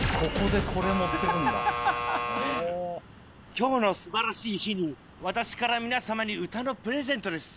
今日のすばらしい日に私から皆様に歌のプレゼントです